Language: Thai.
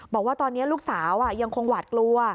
บอกว่าตอนนี้ลูกสาวยังคงหวาดกลัว